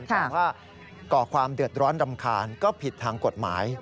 แต่ว่าก่อความเดือดร้อนรำคาญก็ผิดทางกฎหมาย